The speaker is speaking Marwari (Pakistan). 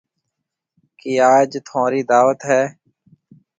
ڪِي آج ٿونرِي دعوت هيَ؟